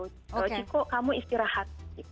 kalau ciko kamu istirahat